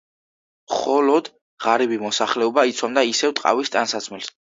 მხოლოდ ღარიბი მოსახლეობა იცვამდა ისევ ტყავის ტანსაცმელს.